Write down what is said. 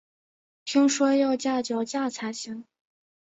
听说要架脚架才行